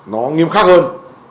nó nghiêm khắc hơn